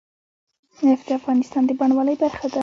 نفت د افغانستان د بڼوالۍ برخه ده.